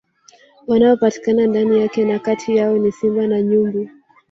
Wanaopatikana ndani yake na kati yao ni Simba na Nyumbu